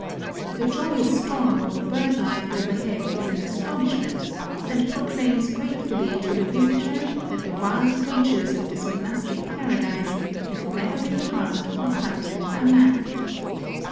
The joyous storm of bird life overhead is an astonishment, and proclaims gratefully to the visitor that the wild crea tures of this monastic paradise have never been harmed or frightened by man.